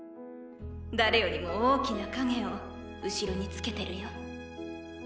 誰よりも大きな影を後ろに付けてるよ。